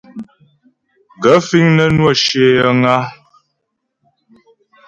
Gaə̂ fíŋ nə́ nwə́ shyə yəŋ a ?